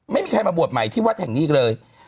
ไม่มีใครมาบวชใหม่ที่วัดแห่งนี้อีกเลย